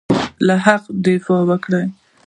له حقه دفاع وکړه.